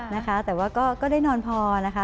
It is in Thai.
นะคะแต่ว่าก็ได้นอนพอนะคะ